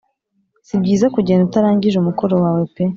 si byiza kugenda utarangije umukoro wawe pe